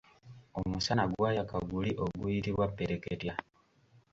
Omusana gwayaka guli oguyitibwa ppereketya.